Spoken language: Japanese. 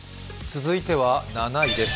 続いては７位です。